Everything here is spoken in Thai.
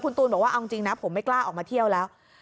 ตูนบอกว่าเอาจริงนะผมไม่กล้าออกมาเที่ยวแล้ว